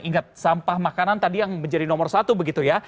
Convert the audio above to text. ingat sampah makanan tadi yang menjadi nomor satu begitu ya